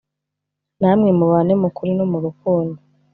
namwe mubane mu kuri no mu rukundo